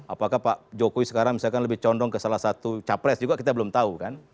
apakah pak jokowi sekarang misalkan lebih condong ke salah satu capres juga kita belum tahu kan